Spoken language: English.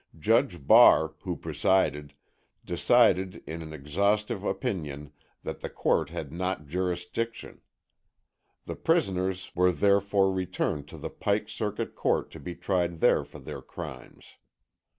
Judge Barr, who presided, decided, in an exhaustive opinion, that the Court had not jurisdiction. The prisoners were therefore returned to the Pike Circuit Court to be tried there for their crimes.